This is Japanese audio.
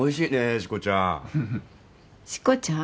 しこちゃん？